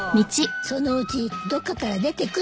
そのうちどっかから出てくるわよ。